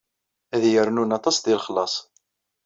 Ad iyi-rnun aṭas deg lexlaṣ.